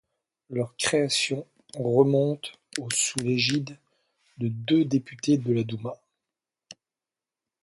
Leur création remonte au sous l'égide de deux députés de la Douma.